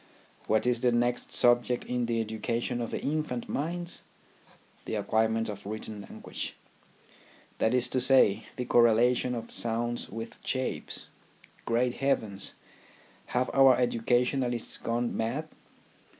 What is the next subject in the education of the infant minds ? The acquirement of written language ; that is to say, the correlation of sounds with shapes. Great heavens ! Have our educa tionists gone mad